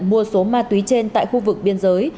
mua số ma túy trên tại khu vực biên giới